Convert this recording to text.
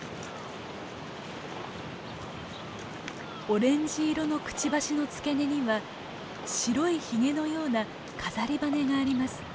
オレンジ色のくちばしの付け根には白いヒゲのような飾り羽があります。